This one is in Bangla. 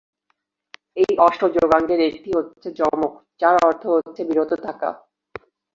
এই অষ্ট যোগাঙ্গের একটি হচ্ছে যম যার অর্থ হচ্ছে বিরত থাকা।